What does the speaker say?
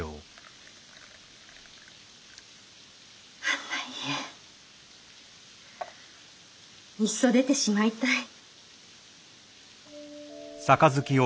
あんな家いっそ出てしまいたい。